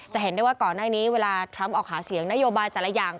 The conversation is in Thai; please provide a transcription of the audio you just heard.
เห็นได้ว่าก่อนหน้านี้เวลาทรัมป์ออกหาเสียงนโยบายแต่ละอย่าง